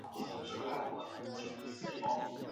它的模式很快被后来的一些电影争相效仿。